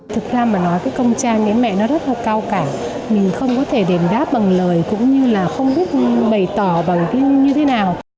thực ra mà nói cái công trang đấy mẹ nó rất là cao cả mình không có thể đền đáp bằng lời cũng như là không biết bày tỏ bằng cái như thế nào